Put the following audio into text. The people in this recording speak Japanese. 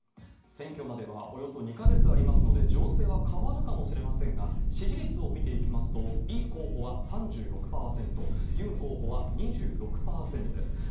選挙まではおよそ２か月ありますので、情勢は変わるかもしれませんが、支持率を見ていきますと、イ候補は３６％、ユン候補は２６％です。